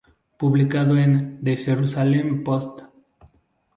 Publicado en The Jerusalem Post.